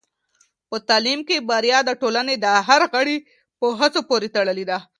په تعلیم کې بریا د ټولنې د هر غړي په هڅو پورې تړلې ده.